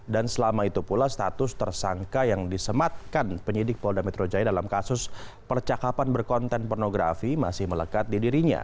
dan selama itu pula status tersangka yang disematkan penyidik polda metro jaya dalam kasus percakapan berkonten pornografi masih melekat di dirinya